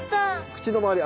口の周り